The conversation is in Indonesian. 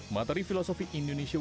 materi filosofi indonesia way